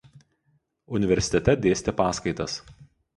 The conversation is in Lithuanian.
Universitete dėstė paskaitas.